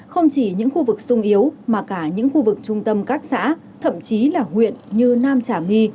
không chỉ những khu vực sung yếu mà cả những khu vực trung tâm các xã thậm chí là huyện như nam trà my